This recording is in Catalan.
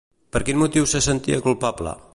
Per quin motiu se sentia culpable?